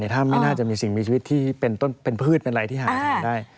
ถ้าไม่น่าจะมีสิ่งมีชีวิตที่เป็นต้นเป็นพืชเป็นอะไรที่หาทานได้